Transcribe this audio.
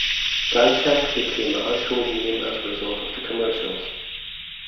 DiTech became a household name as a result of the commercials.